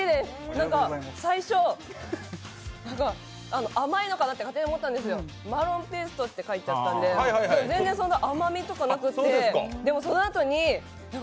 なんか、最初、甘いのかなって思ったんですよ、マロンペーストって書いてあったんででも全然甘みとかなくて。